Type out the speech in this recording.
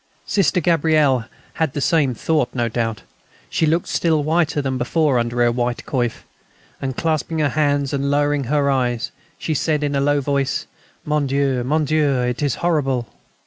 Sister Gabrielle had the same thought, no doubt. She looked still whiter than before under her white coif, and clasping her hands and lowering her eyes, she said in a low voice: "Mon Dieu, ... Mon Dieu! ... It is horrible!"